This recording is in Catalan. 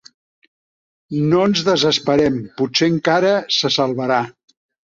No ens desesperem: potser encara se salvarà.